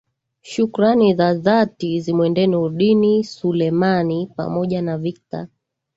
shukran za dhati zimwendee nurdin sulemani pamoja na victor